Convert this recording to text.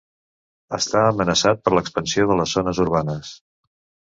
Està amenaçat per l'expansió de les zones urbanes.